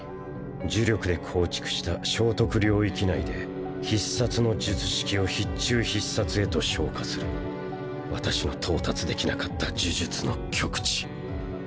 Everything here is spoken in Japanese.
呪力で構築した生得領域内で必殺の術式を必中必殺へと昇華する私の到達できなかった呪術の極地。